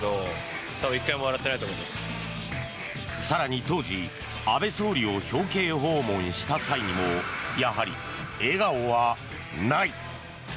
更に当時、安倍総理を表敬訪問した際にもやはり笑顔はない。